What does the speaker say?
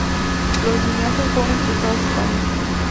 Los cineastas fueron expulsados de España.